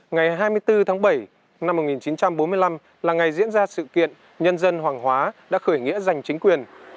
ngày hai mươi bốn tháng bảy năm một nghìn chín trăm bốn mươi năm là ngày diễn ra sự kiện nhân dân hoàng hóa đã khởi nghĩa giành chính quyền